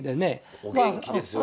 お元気ですよね。